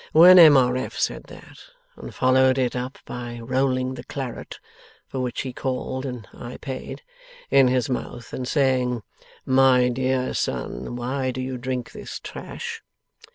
When M. R. F. said that, and followed it up by rolling the claret (for which he called, and I paid), in his mouth, and saying, "My dear son, why do you drink this trash?"